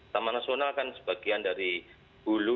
taman nasional kan sebagian dari hulu